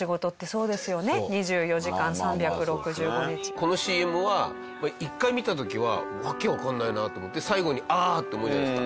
このＣＭは１回見た時は「訳わからないな」と思って最後に「ああっ！」って思うじゃないですか。